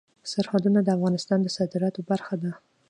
سرحدونه د افغانستان د صادراتو برخه ده.